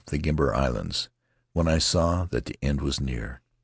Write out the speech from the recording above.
in the Gambier Islands, when I saw that the end was near.